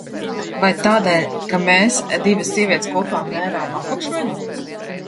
Vai tādēļ, ka mēs, divas sievietes, kopā mērām apakšveļu?